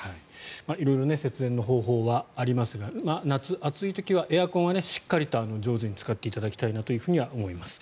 色々節電の方法はありますが夏、暑い時はエアコンはしっかりと上手に使っていただきたいなと思います。